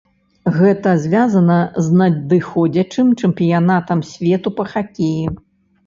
Гэта звязана з надыходзячым чэмпіянатам свету па хакеі.